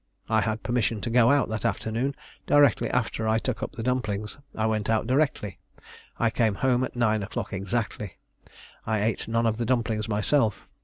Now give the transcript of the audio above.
I had permission to go out that afternoon, directly after I took up the dumplings. I went out directly. I came home at nine o'clock exactly. I ate none of the dumplings myself.